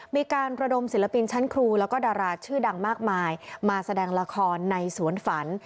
มีการระดมศิลปินชั้นครูแล้วก็ดาราชื่อดังมากมายมาแสดงละครในสวนฝัน